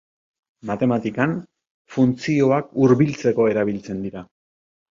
Matematikan, funtzioak hurbiltzeko erabiltzen dira.